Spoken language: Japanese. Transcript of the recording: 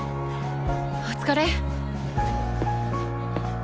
お疲れっ！